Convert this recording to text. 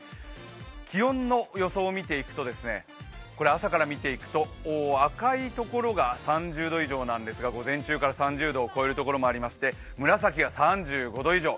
気温の予想を朝から見ていくと赤いところが３０度以上なんですが午前中から３０度を超えるところもありまして紫が３５度以上。